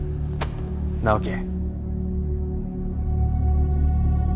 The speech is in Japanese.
直樹。